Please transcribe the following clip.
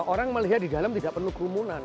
orang melihat di dalam tidak perlu kerumunan